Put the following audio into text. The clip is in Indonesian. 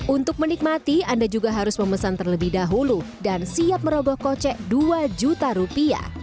untuk menikmati anda juga harus memesan terlebih dahulu dan siap meroboh kocek rp dua